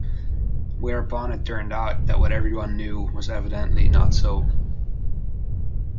Whereupon, it turned out that what everyone knew was evidently not so.